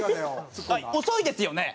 遅いですよね？